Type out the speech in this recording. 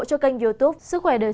cảm ơn quý vị đã theo dõi